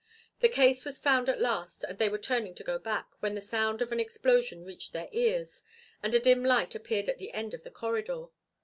The case was found at last and they were turning to go back, when the sound of an explosion reached their ears and a dim light appeared at the end of the corridor.